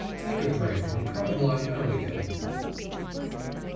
Take a drink and come and lie down again.